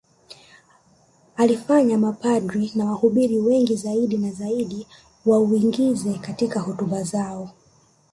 Ulifanya mapadri na wahubiri wengi zaidi na zaidi wauingize katika hotuba zao